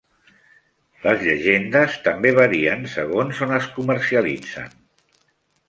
Les llegendes també varien segons on es comercialitza.